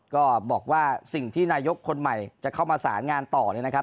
ก็บอกว่าสิ่งที่นายกคนใหม่จะเข้ามาสารงานต่อเนี่ยนะครับ